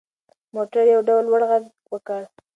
موټر یو ډول لوړ غږ وکړ.